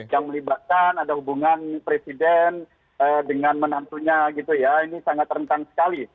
yang melibatkan ada hubungan presiden dengan menantunya gitu ya ini sangat rentan sekali